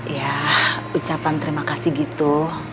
ya ucapan terima kasih gitu